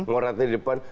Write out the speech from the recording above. morata di depan